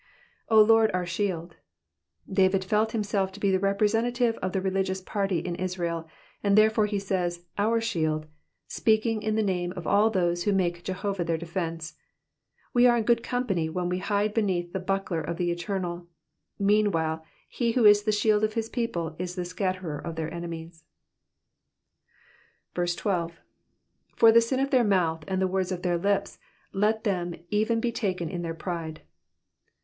0 Lard, our shield.''* David felt himself to be the representative of the religious party in Israel, and therefore he says " owr shield,^^ speaking in the name of all those who make Jehovah their defence. We are in good company when we hide beneath the buckler of the Eternal ; meanwhile he who is the shield of his people is the scatterer of their enemies. 12. ^^For the sin of their mouth and the words of their lips let them even be taken in their pride.''